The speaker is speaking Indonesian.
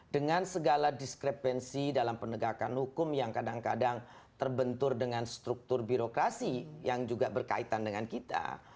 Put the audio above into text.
dengan segala diskrepensi dalam penegakan hukum yang kadang kadang terbentur dengan struktur birokrasi yang juga berkaitan dengan kita